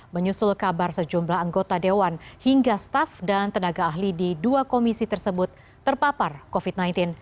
menyusul kabar sejumlah anggota dewan hingga staff dan tenaga ahli di dua komisi tersebut terpapar covid sembilan belas